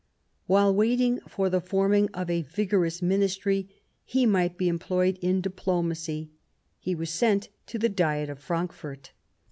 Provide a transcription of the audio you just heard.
While waiting for the forming of a vigorous Ministry he might be employed in diplomacy : he was sent to the Diet of Frankfort.